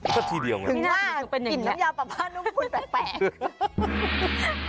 ก็ทีเดียวเหมือนกันถึงว่ากินน้ำยาวปลานุ้มพูดแปลก